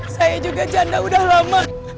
saya juga janda udah lama